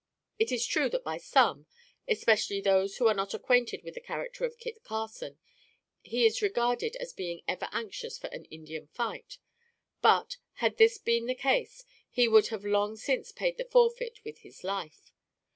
It is true that by some, especially those who are not acquainted with the character of Kit Carson, he is regarded as being ever anxious for an Indian fight; but, had this been the case, he would have long since paid the forfeit with his life.